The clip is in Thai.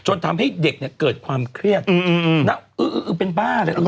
จนทำให้เด็กเนี่ยเกิดความเครียดอื้ออื้ออื้อเป็นบ้าเลยอื้ออื้อ